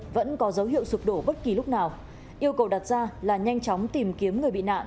vẫn có dấu hiệu sụp đổ bất kỳ lúc nào yêu cầu đặt ra là nhanh chóng tìm kiếm người bị nạn